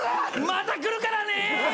また来るからね！